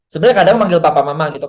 sebenarnya kadang manggil papa mama gitu